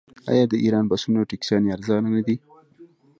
آیا د ایران بسونه او ټکسیانې ارزانه نه دي؟